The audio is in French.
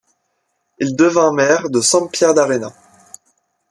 Il devient maire de Sampierdarena.